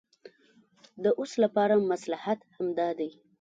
د اوس لپاره مصلحت همدا دی.